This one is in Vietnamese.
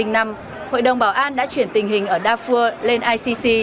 năm hai nghìn năm hội đồng bảo an đã chuyển tình hình ở đa phủ lên icc